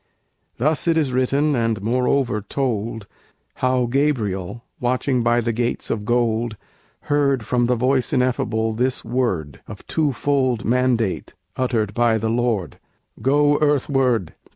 Thus it is written; and moreover told How Gabriel, watching by the Gates of Gold, Heard from the Voice Ineffable this word Of twofold mandate uttered by the Lord: "Go earthward!